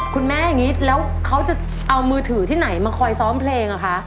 อย่างนี้แล้วเขาจะเอามือถือที่ไหนมาคอยซ้อมเพลงอะคะ